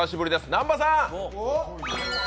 南波さん。